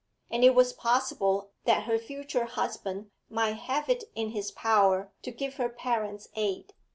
And it was possible that her future husband might have it in his power to give her parents aid.